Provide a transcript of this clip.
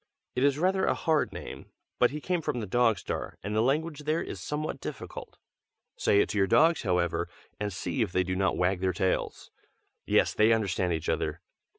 It is rather a hard name, but he came from the Dog Star, and the language there is somewhat difficult. Say it to your dogs, however, and see if they do not wag their tails. Yes, they understand each other.